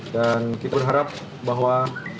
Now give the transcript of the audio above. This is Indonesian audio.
dan kita berharap bahwa